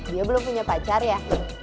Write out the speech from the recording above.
dia belum punya pacar ya